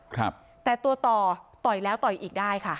ครับแต่ตัวต่อต่อยแล้วต่อยอีกได้ค่ะ